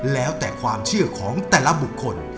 แล้วแต่ความเชื่อของแต่ละบุคคล